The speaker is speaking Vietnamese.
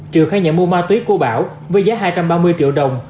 triệu khai nhận mua ma túy của bảo với giá hai trăm ba mươi triệu đồng